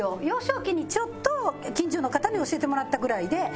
幼少期にちょっと近所の方に教えてもらったぐらいで。